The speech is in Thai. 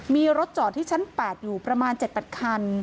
มีรถจอดที่ชั้น๘อยู่ประมาณ๗๘คัน